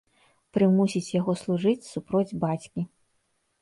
Прымусіць яго служыць супроць бацькі.